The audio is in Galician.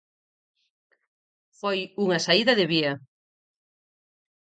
Foi unha saída de vía.